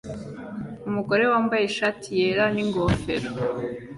Umugore wambaye ishati yera n'ingofero